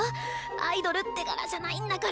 アイドルって柄じゃないんだから。